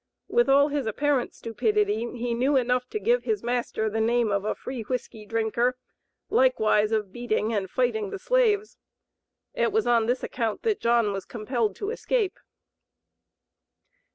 With all his apparent stupidity he knew enough to give his master the name of a "free whiskey drinker," likewise of "beating and fighting the slaves." It was on this account that John was compelled to escape.